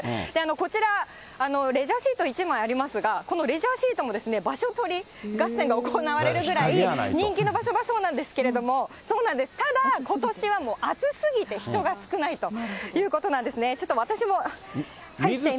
こちら、レジャーシート１枚ありますが、このレジャーシートも場所取り合戦が行われるぐらい人気の場所だそうなんですけれども、そうなんです、ただ、ことしはもう暑すぎて、人が少ないということなんですね。